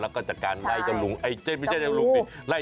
แล้วก็จัดการไล่ต้องมูนั้นออกไป